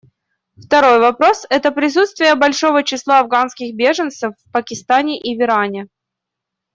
Второй вопрос — это присутствие большого числа афганских беженцев в Пакистане и в Иране.